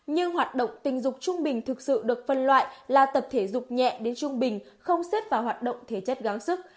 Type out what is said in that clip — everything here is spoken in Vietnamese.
nhưng hoạt động tình dục trung bình thực sự được phân loại là tập thể dục nhẹ đến trung bình không xếp vào hoạt động thể chất gáo sức